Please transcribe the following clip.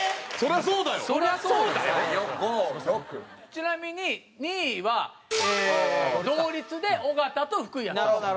ちなみに２位は同率で尾形と福井やったんですよ。